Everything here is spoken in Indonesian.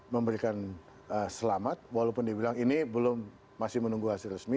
memberikan selamat walaupun dibilang ini belum masih menunggu hasil resmi